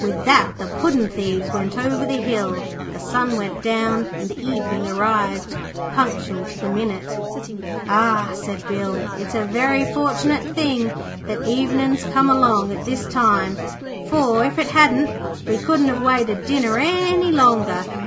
With that the puddin' thieves went over the hill, the sun went down and evening arrived, punctual to the minute. 'Ah,' said Bill. 'It's a very fortunate thing that evenin's come along at this time, for, if it hadn't, we couldn't have waited dinner any longer.